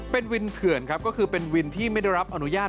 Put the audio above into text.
เป็นวินเถื่อนครับก็คือเป็นวินที่ไม่ได้รับอนุญาต